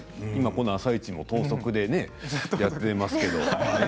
この「あさイチ」を等速でやっていますけど。